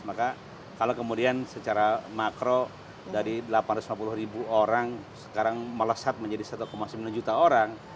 maka kalau kemudian secara makro dari delapan ratus lima puluh ribu orang sekarang melesat menjadi satu sembilan juta orang